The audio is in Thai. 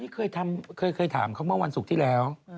ที่นี่เคยถามเหมือนเมื่อวันศูกที่แล้ว